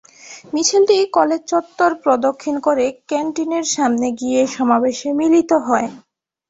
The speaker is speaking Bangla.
মিছিলটি কলেজ চত্বর প্রদক্ষিণ করে ক্যানটিনের সামনে গিয়ে সমাবেশে মিলিত হয়।